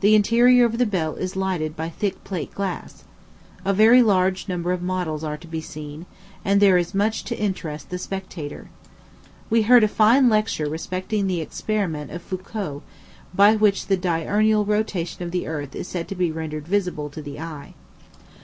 The interior of the bell is lighted by thick plate glass. A very large number of models are to be seen, and there is much to interest the spectator. We heard a fine lecture respecting the experiment of Foucault, by which the diurnal rotation of the earth is said to be rendered visible to the eye.